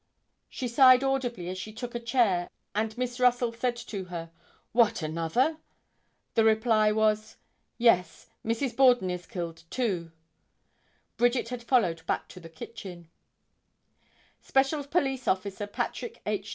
She sighed audibly as she took a chair and Miss Russell said to her, "What, another?" The reply was, "Yes, Mrs. Borden is killed too." Bridget had followed back to the kitchen. [Illustration: JOHN J. MANNING.] Special police officer Patrick H.